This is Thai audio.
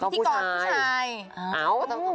พูดชายพี่เกริ้คนผู้ชาย